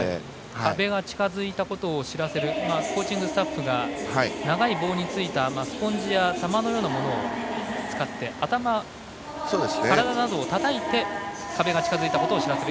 壁が近づいたことを知らせるコーチングスタッフが長い棒についたスポンジや玉のようなものを使って頭、体などをたたいて壁が近づいたことを知らせる。